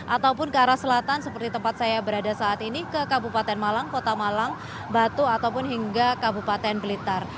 ataupun ke arah selatan seperti tempat saya berada saat ini ke kabupaten malang kota malang batu ataupun hingga kabupaten blitar